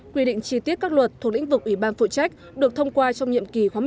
quy định chi tiết các luật thuộc lĩnh vực ủy ban phụ trách được thông qua trong nhiệm kỳ khóa một mươi ba